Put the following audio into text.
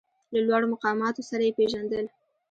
له لوړو مقاماتو سره یې پېژندل.